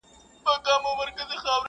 د ځوانیمرګو زړو تاوده رګونه!